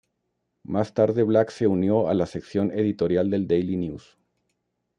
Más tarde Black se unió a la sección editorial del "Daily News".